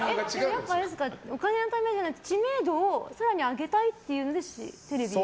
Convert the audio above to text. やっぱりお金のためじゃなくて知名度を更に上げたいっていうのでテレビに？